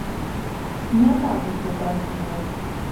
Не так усё працуе.